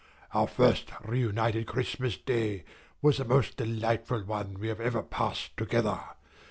Our first reunited Christmas day was the most delightful one we have ever passed together.